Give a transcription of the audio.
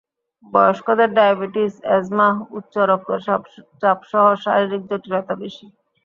বয়স্কদের diabetes, asthma, উচ্চ রক্তচাপসহ শারীরিক জটিলতা বেশি।